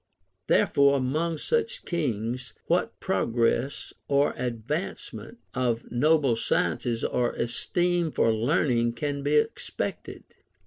Therefore, among such kings, Avhat progress or advancement of noble sciences or esteem for learning can be expected